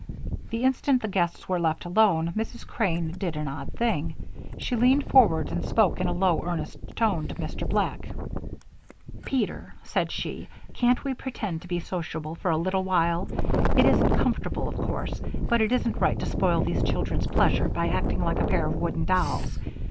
The instant the guests were left alone, Mrs. Crane did an odd thing. She leaned forward and spoke in a low, earnest tone to Mr. Black. "Peter," she said, "can't we pretend to be sociable for a little while? It isn't comfortable, of course, but it isn't right to spoil those children's pleasure by acting like a pair of wooden dolls.